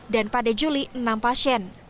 dan pada juli enam pasien